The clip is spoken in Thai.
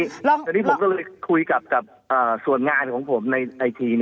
ตอนนี้ผมก็เลยคุยกับส่วนงานของผมในไอจี